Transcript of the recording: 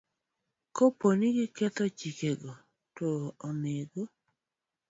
Kapo ni giketho chikego, to oneg